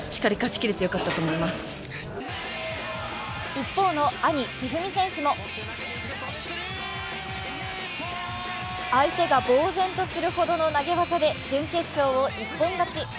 一方の兄・一二三選手も相手がぼう然とするほどの投げ技で一本勝ち。